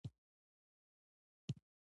د باراني اوبو جمع کول یوه نوې تجربه ده.